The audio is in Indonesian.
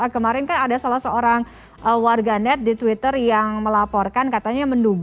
kemarin kan ada salah seorang warganet di twitter yang melaporkan katanya menduga